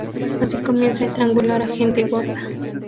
Así comienza a estrangular a gente gorda.